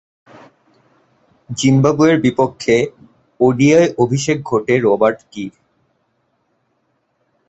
জিম্বাবুয়ের বিপক্ষে ওডিআই অভিষেক ঘটে রবার্ট কী’র।